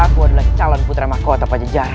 aku adalah calon putra mahkota pajajarang